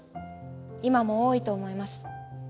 今も多いと思います。